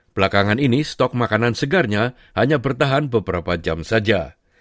belakangan ini stok makanan segarnya hanya bertahan beberapa jam saja